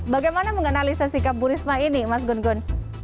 bagaimana menganalisa sikap bu risma ini mas gun gun